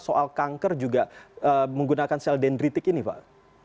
soal kanker juga menggunakan sel dendritik ini pak